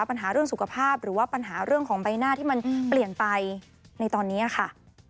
ปัญหาเรื่องสุขภาพหรือว่าปัญหาเรื่องของใบหน้าที่มันเปลี่ยนไปในตอนนี้ค่ะ